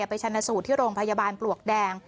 ชนะสูตรที่โรงพยาบาลปลวกแดง